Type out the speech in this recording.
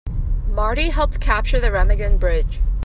Marty helped capture the Remagen Bridge.